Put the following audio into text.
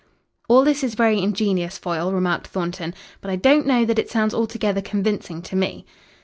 "All this is very ingenious, Foyle," remarked Thornton, "but I don't know that it sounds altogether convincing to me."